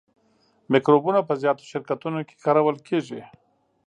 مکروبونه په زیاتو شرکتونو کې کارول کیږي.